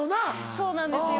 そうなんですよ。